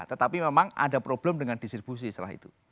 tetapi memang ada problem dengan distribusi setelah itu